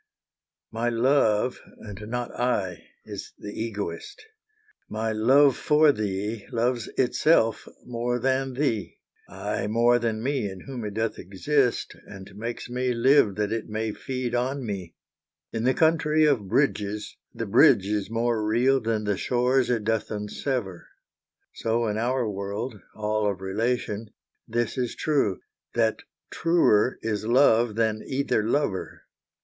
My love, and not I, is the egoist. My love for thee loves itself more than thee; Ay, more than me, in whom it doth exist, And makes me live that it may feed on me. In the country of bridges the bridge is More real than the shores it doth unsever; So in our world, all of Relation, this Is true—that truer is Love than either lover.